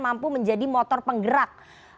mampu menjadi motor penggerak